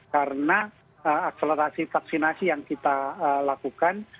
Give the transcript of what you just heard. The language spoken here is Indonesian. karena akselerasi vaksinasi yang kita lakukan